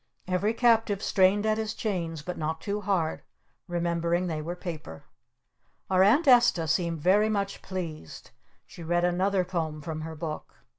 Every captive strained at his chains but not too hard! Remembering they were paper! Our Aunt Esta seemed very much pleased. She read another poem from her book.